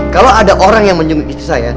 kalau ada orang yang menyuguhi istri saya